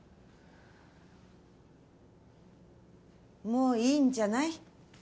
もういいんじゃない。